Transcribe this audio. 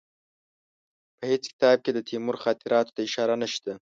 په هېڅ کتاب کې د تیمور خاطراتو ته اشاره نشته.